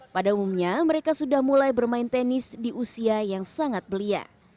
pada umumnya mereka sudah mulai bermain tenis di usia yang sangat belia